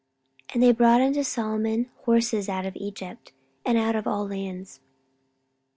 14:009:028 And they brought unto Solomon horses out of Egypt, and out of all lands.